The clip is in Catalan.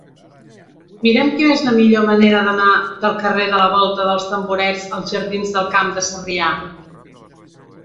Mira'm quina és la millor manera d'anar del carrer de la Volta dels Tamborets als jardins del Camp de Sarrià.